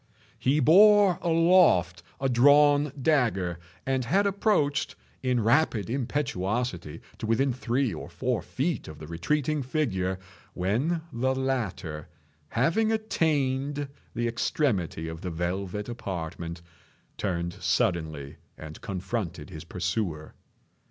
He bore aloft a drawn dagger, and had approached, in rapid impetuosity, to within three or four feet of the retreating figure, when the latter, having attained the extremity of the velvet apartment, turned suddenly and confronted his pursuer.